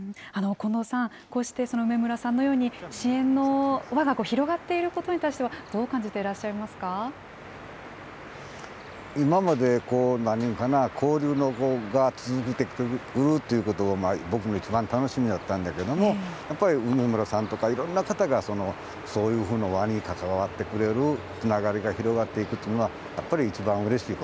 近藤さん、こうして梅村さんのように、支援の輪が広がっていることに対しては、どう感じていらっしゃい今まで、交流が続いてるということが僕の一番楽しみだったんだけれども、やっぱり梅村さんとかいろんな方がそういうふうな輪に関わってくれるつながりが広がっていくというのは、やっぱり一番うれし